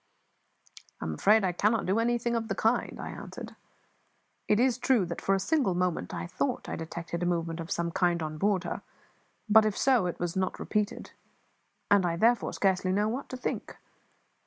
"I am afraid I cannot do anything of the kind," answered I. "It is true that for a single moment I thought I detected a movement of some kind on board her; but, if so, it was not repeated, and I therefore scarcely know what to think.